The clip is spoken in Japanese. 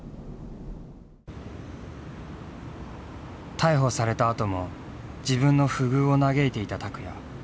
逮捕されたあとも自分の不遇を嘆いていた拓也。